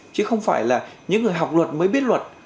chứ không phải là những người học luật mới biết luật